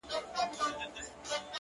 پر تندي يې شنه خالونه زما بدن خوري;